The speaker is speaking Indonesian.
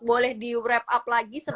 boleh di wrap up lagi